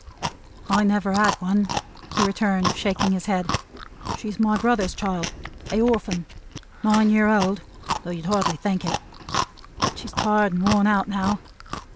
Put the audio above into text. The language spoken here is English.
"I never had one," he returned, shaking his head. "She's my brother's child: a orphan. Nine year old, though you'd hardly think it; but she's tired and worn out now.